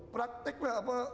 praktek lah apa